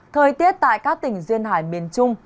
thời tiết tại các tỉnh duyên hải miền trung